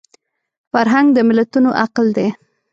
فرهنګ د ملتونو عقل دی